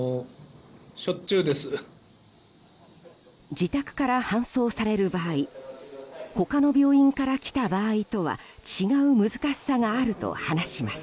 自宅から搬送される場合他の病院から来た場合とは違う難しさがあると話します。